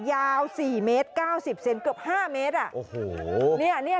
ยาวสี่เมตรเก้าสิบเซนเกือบห้าเมตรอ่ะโอ้โหเนี้ยเนี้ย